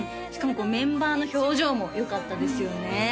しかもこうメンバーの表情もよかったですよね